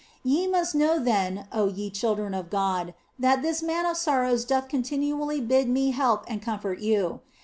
OF FOLIGNO 93 Ye must know then, oh ye children of God, that this Man of Sorrows doth continually bid me help and com fort you.